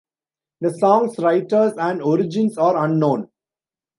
The song's writers and origins are unknown.